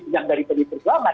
yang dari pdi perjuangan